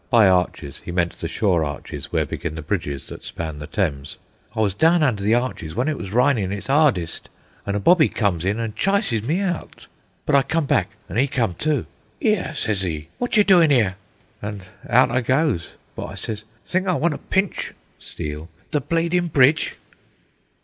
By "arches" he meant the shore arches where begin the bridges that span the Thames. "I was down under the arches wen it was ryning its 'ardest, an' a bobby comes in an' chyses me out. But I come back, an' 'e come too. ''Ere,' sez 'e, 'wot you doin' 'ere?' An' out I goes, but I sez, 'Think I want ter pinch [steal] the bleedin' bridge?